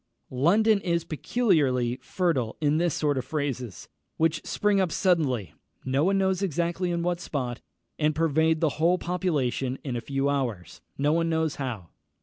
London is peculiarly fertile in this sort of phrases, which spring up suddenly, no one knows exactly in what spot, and pervade the whole population in a few hours, no one knows how.